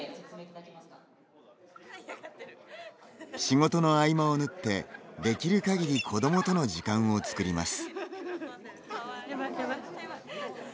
仕事の合間をぬって、できる限り子どもとの時間を作ります。